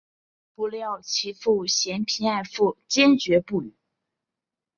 不料其父嫌贫爱富坚决不允。